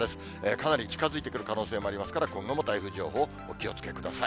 かなり近づいてくる可能性もありますから、今後も台風情報、お気をつけください。